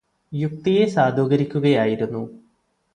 യുക്തിയെ സാധൂകരിക്കുകയായിരുന്നു